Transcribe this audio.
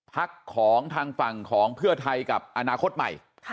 พักของทางฝั่งของเพื่อไทยกับอนาคตใหม่